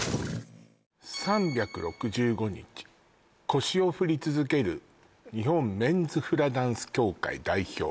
腰を振り続ける日本メンズフラダンス協会代表